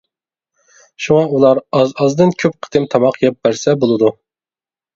شۇڭا ئۇلار ئاز-ئازدىن كۆپ قېتىم تاماق يەپ بەرسە بولىدۇ.